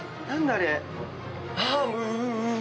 あれ。